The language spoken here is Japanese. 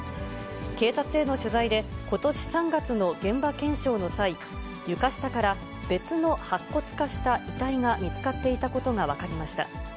警察への取材で、ことし３月の現場検証の際、床下から別の白骨化した遺体が見つかっていたことが分かりました。